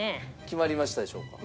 決まりましたでしょうか？